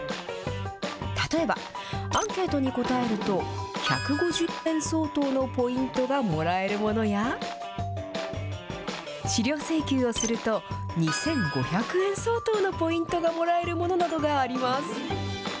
例えば、アンケートに答えると、１５０円相当のポイントがもらえるものや、資料請求をすると２５００円相当のポイントがもらえるものなどがあります。